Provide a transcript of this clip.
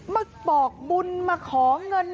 มาบอกบุญมาขอเงิน